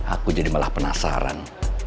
aku jadi malah penasaran